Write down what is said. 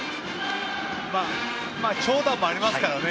長打もありますからね。